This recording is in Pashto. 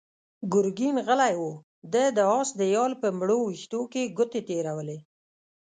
ګرګين غلی و، ده د آس د يال په مړو وېښتو کې ګوتې تېرولې.